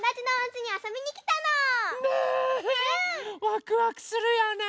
ワクワクするよね！